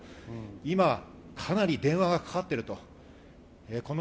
今かなり電話がかかっていると。